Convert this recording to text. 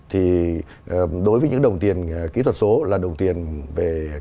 thì đối với những đồng tiền kỹ thuật số là đồng tiền về kỹ thuật